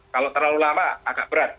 kalau terlalu lama agak berat